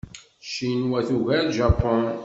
Ccinwa tugar Japun.